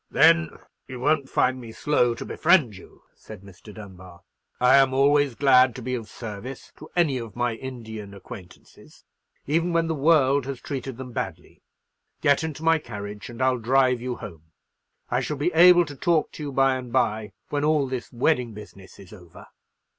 "Then you won't find me slow to befriend you," said Mr. Dunbar. "I am always glad to be of service to any of my Indian acquaintances—even when the world has treated them badly. Get into my carriage, and I'll drive you home. I shall be able to talk to you by and by, when all this wedding business is over."